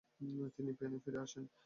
তিনি পেনে ফিরে আসেন।